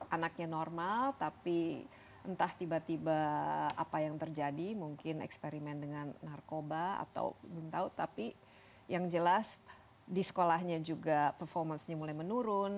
anaknya normal tapi entah tiba tiba apa yang terjadi mungkin eksperimen dengan narkoba atau yang jelas di sekolahnya juga performasinya mulai menurun